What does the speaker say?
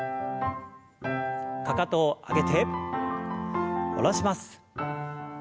かかとを上げて下ろします。